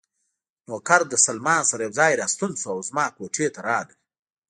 نوکر له سلمان سره یو ځای راستون شو او زما کوټې ته راغلل.